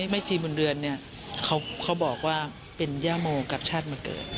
แม่ชีบุญเรือนเนี่ยเขาบอกว่าเป็นย่าโมกับชาติมาเกิด